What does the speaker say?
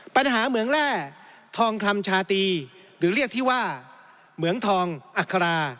ปัญหาเหมืองแร่ทองคำชาตรีหรือเรียกที่ว่าเหมืองทองอัครา